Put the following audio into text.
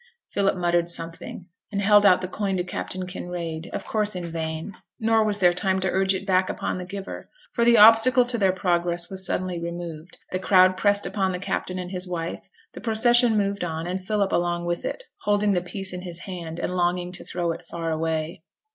Philip muttered something, and held out the coin to Captain Kinraid, of course in vain; nor was there time to urge it back upon the giver, for the obstacle to their progress was suddenly removed, the crowd pressed upon the captain and his wife, the procession moved on, and Philip along with it, holding the piece in his hand, and longing to throw it far away.